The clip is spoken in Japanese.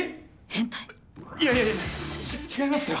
いやいやち違いますよ。